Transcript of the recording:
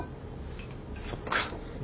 そっか。